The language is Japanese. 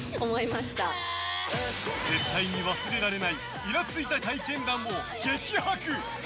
絶対に忘れられないイラついた体験談を激白！